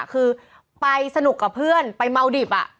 คือไปสนุกกับเพื่อนไปเมาดิบ